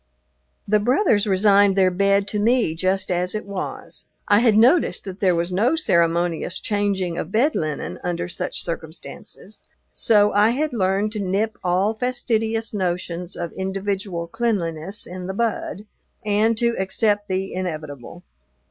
The brothers resigned their bed to me just as it was. I had noticed that there was no ceremonious changing of bed linen under such circumstances, so I had learned to nip all fastidious notions of individual cleanliness in the bud, and to accept the inevitable.